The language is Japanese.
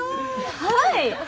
はい！